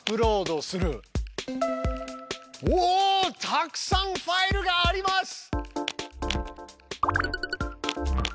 たくさんファイルがあります！